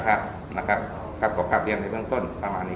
กับการเรียนในเรื่องต้นประมาณนี้ครับในส่วนของเขาว่าทำไมเขาต้องถือราคาขนาดนั้น